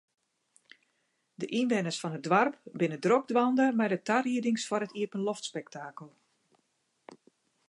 De ynwenners fan it doarp binne drok dwaande mei de tariedings foar it iepenloftspektakel.